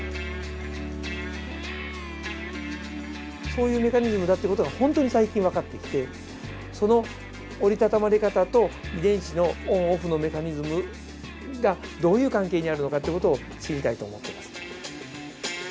そういうメカニズムだって事がほんとに最近分かってきてその折りたたまれ方と遺伝子のオン・オフのメカニズムがどういう関係にあるのかっていう事を知りたいと思ってます。